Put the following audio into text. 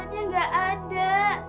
obatnya gak ada